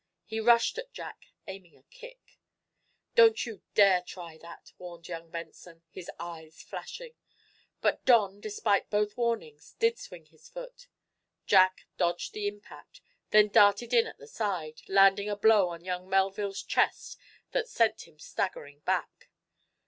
He rushed at Jack, aiming a kick. "Don't you dare try that!" warned young Benson, his eyes flashing. But Don, despite both warnings, did swing his foot. Jack dodged the impact, then darted in at the side, landing a blow on young Melville's chest that sent him staggering back.